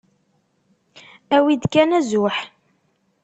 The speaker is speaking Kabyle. Awi-d kan azuḥ.